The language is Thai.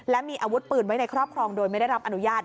และมีอาวุธปืนไว้ในครอบครองโดยไม่ได้รับอนุญาต